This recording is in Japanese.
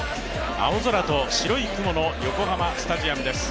青空と白い雲の横浜スタジアムです。